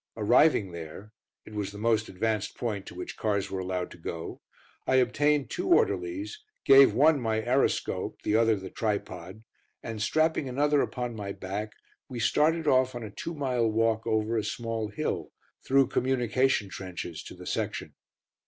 Arriving there (it was the most advanced point to which cars were allowed to go), I obtained two orderlies, gave one my aeroscope the other the tripod, and strapping another upon my back, we started off on a two mile walk over a small hill, and through communication trenches to the section.